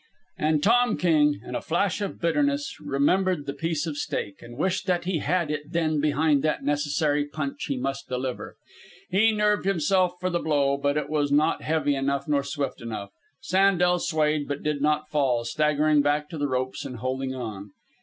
And Tom King, in a flash of bitterness, remembered the piece of steak and wished that he had it then behind that necessary punch he must deliver. He nerved himself for the blow, but it was not heavy enough nor swift enough. Sandel swayed, but did not fall, staggering back to the ropes and holding on.